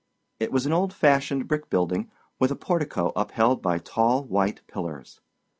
It was an old fashioned brick building, with a portico upheld by tall white pillars.